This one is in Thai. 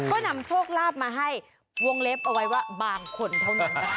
ก็นำโชคลาภมาให้วงเล็บเอาไว้ว่าบางคนเท่านั้นนะคะ